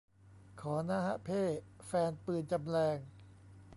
ขอนะฮะเพ่ แฟนปืนจำแลง